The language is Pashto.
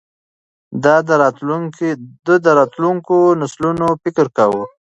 ده د راتلونکو نسلونو فکر کاوه.